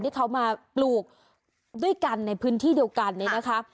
ที่เขามาปลูกด้วยกันในพื้นที่เดียวกันเนี่ยนะคะ